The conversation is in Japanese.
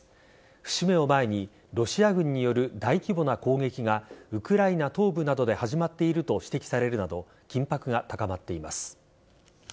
節目を前にロシア軍による大規模な攻撃がウクライナ東部などで始まっていると指摘されるなど緊迫が高まっています。